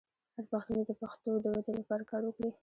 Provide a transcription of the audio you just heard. هر پښتون دې د پښتو د ودې لپاره کار وکړي.